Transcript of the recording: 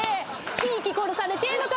ひき殺されてぇのか！